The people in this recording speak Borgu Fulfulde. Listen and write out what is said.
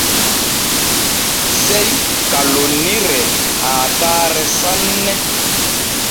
Sey ka lonniree haatare sanne.